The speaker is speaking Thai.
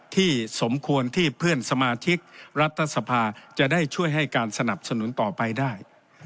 สมควรที่เพื่อนสมาชิกรัฐสภาจะได้ช่วยให้การสนับสนุนต่อไปได้